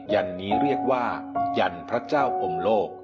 ยันนี้เรียกว่ายันพระเจ้าพรมโลก